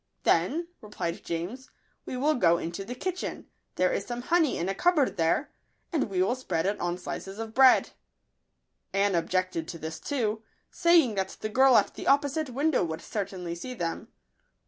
" Then," replied James, " we will go into the kitchen : there is some honey in a cupboard there, and we will spread it on slices of bread." Anne objected to this too, saying that the girl at the opposite window would certainly see them.